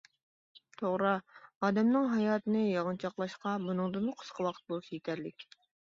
-توغرا، ئادەمنىڭ ھاياتىنى يىغىنچاقلاشقا بۇنىڭدىنمۇ قىسقا ۋاقىت بولسا يېتەرلىك.